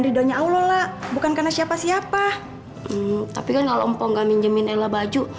ridhonya allah bukan karena siapa siapa tapi kalau mpo nggak minjemin elah baju